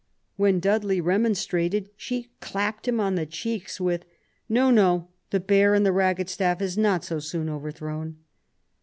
When Dudley remonstrated, she clapped him on the cheeks with * No, no, the bear and the ragged staff is not so soon overthrown *